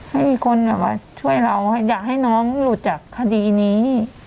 ให้มีคนมาช่วยเราอยากให้น้องหลุดจากคดีนี้